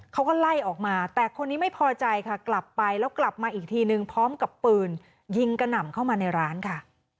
เขาก็ไล่ออกมาแต่คนนี้ไม่พอใจค่ะกลับไปแล้วกลับมาอีกทีนึงพร้อมกับปืนยิงกระหน่ำเข้ามาในร้านค่ะ